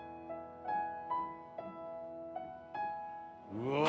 うわ！